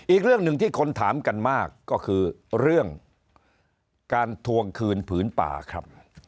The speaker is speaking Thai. อีกเรื่องหนึ่งที่คนถามกันมากก็คือเรื่องการทวงคืนผืนป่าครับ